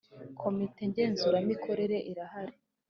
komite ngenzuramikorere irahari